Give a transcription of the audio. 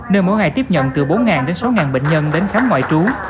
nơi mỗi ngày tiếp nhận từ bốn đến sáu bệnh nhân đến khám ngoại trú